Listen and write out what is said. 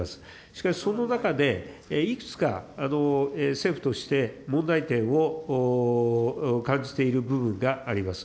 しかし、その中でいくつか政府として問題点を感じている部分があります。